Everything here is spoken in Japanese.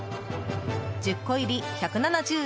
１０個入り１７０円。